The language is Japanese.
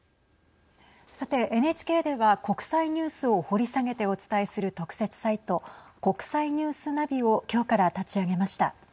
さて、ＮＨＫでは国際ニュースを掘り下げてお伝えする特設サイト国際ニュースナビをきょうから立ち上げました。